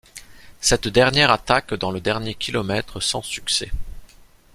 Cette dernière attaque dans le dernier kilomètre sans succès.